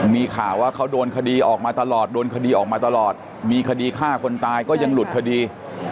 มีข่าวว่าเขาโดนคดีออกมาตลอดโดนคดีออกมาตลอดมีคดีฆ่าคนตายก็ยังหลุดคดี